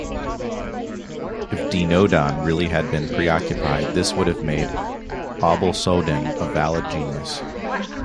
If "Deinodon" really had been preoccupied, this would have made "Aublysodon" a valid genus.